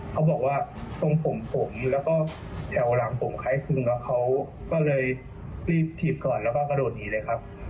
เขาบอกว่าทรงผมผมแล้วก็แถวหลังผมคล้ายคลึงแล้วเขาก็เลยรีบถีบก่อนแล้วก็กระโดดหนีเลยครับ